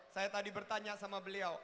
saya tadi bertanya sama beliau